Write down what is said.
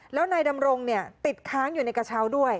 แล้วนายดำรงติดค้างอยู่ในกระเช้าด้วย